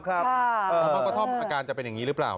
แล้วบางกระท่อมอาการจะเป็นอย่างนี้หรือเปล่า